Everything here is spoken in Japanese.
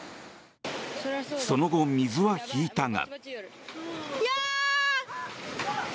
その後、水は引いたが。